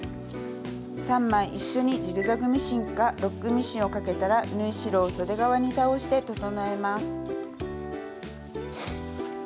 ３枚一緒にジグザグミシンかロックミシンをかけたら縫い代をそで側に倒して整えます。